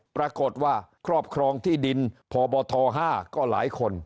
ปรากฏว่าครอบครองที่ดินพศ๕ก็หลายคน